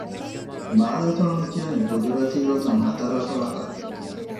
މާލެއަތޮޅު މި ކިޔަނީ ޤުދުރަތީ ގޮތުން ހަތަރު އަތޮޅަކަށް